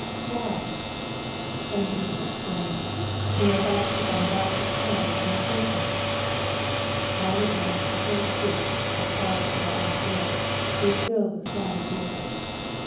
fly!' Some even exclaimed, 'They are about to bombard the captured town from the fortress!' All at once the whole street, as far as the Waag bridge, was filled with flying vehicles.